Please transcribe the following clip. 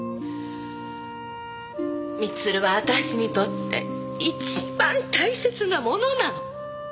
光留は私にとって一番大切なものなの。